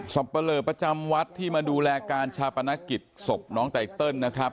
ปะเลอประจำวัดที่มาดูแลการชาปนกิจศพน้องไตเติลนะครับ